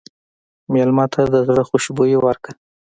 مېلمه ته د زړه خوشبويي ورکړه.